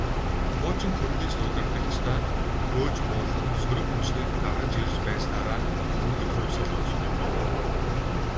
Хуучин коммунист удирдагчдаа хөөж буулган, сөрөг хүчнийг гаргаж ирж байснаараа «Өнгөт хувьсгал» онцлог.